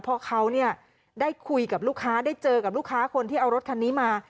พอเขาเนี่ยได้คุยกับลูกค้าได้เจอกับลูกค้าคนที่เอารถคันนี้มา